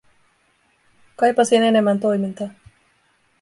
Kaipasin enemmän toimintaa.